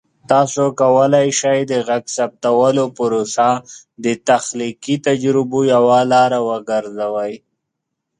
تاسو کولی شئ د غږ ثبتولو پروسه د تخلیقي تجربو یوه لاره وګرځوئ.